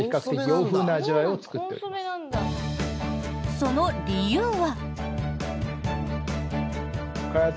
その理由は。